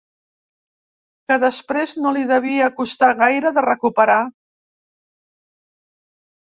Que després no li devia costar gaire de recuperar.